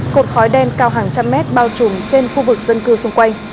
cột khói đen cao hàng trăm mét bao trùm trên khu vực dân cư xung quanh